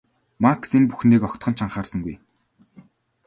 Макс энэ бүхнийг огтхон ч анхаарсангүй.